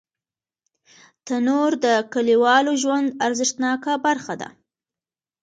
تنور د کلیوالو ژوند ارزښتناکه برخه ده